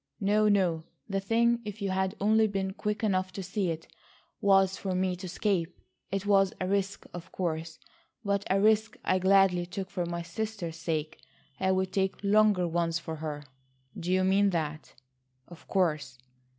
No, no, the thing, if you had only been quick enough to see it, was for me to escape. It was a risk, of course, but a risk I gladly took for my sister's sake. I would take longer ones for her." "Do you mean that?" "Of course."